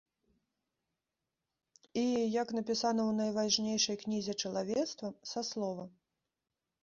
І, як напісана ў найважнейшай кнізе чалавецтва, са слова.